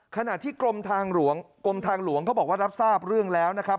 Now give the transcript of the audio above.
ขณะที่กรมทางหลวงกรมทางหลวงเขาบอกว่ารับทราบเรื่องแล้วนะครับ